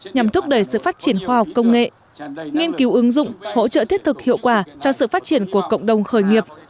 nhằm thúc đẩy sự phát triển khoa học công nghệ nghiên cứu ứng dụng hỗ trợ thiết thực hiệu quả cho sự phát triển của cộng đồng khởi nghiệp